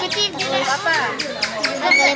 ini gimana rasanya waktu main tadi